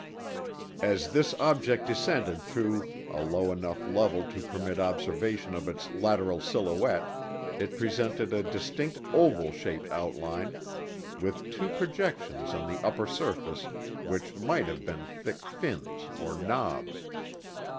As this object descended through a low enough level to permit observation of its lateral silhouette, it presented a distinct oval shaped outline, with two projections on the upper surface which might have been thick fins or nobs.